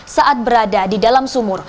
saat berada di dalam sumur